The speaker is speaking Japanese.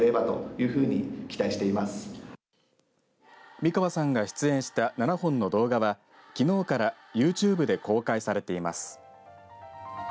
美川さんが出演した７本の動画はきのうからユーチューブで公開されています。